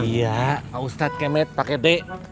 iya pak ustad kemet pake d